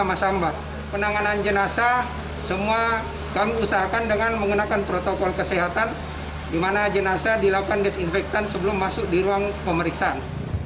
penanganan jenazah semua kami usahakan dengan menggunakan protokol kesehatan di mana jenazah dilakukan desinfektan sebelum masuk di ruang pemeriksaan